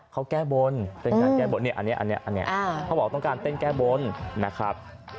เขาแก้บ้นเขาบอกว่าต้องการเต้นแก้บ้นนะครับ